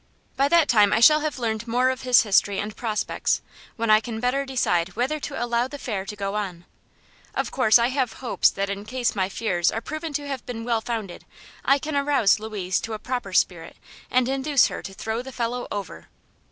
By that time I shall have learned more of his history and prospects, when I can better decide whether to allow the affair to go on. Of course I have hopes that in case my fears are proven to have been well founded, I can arouse Louise to a proper spirit and induce her to throw the fellow over.